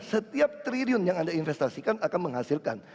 setiap triliun yang anda investasikan akan menghasilkan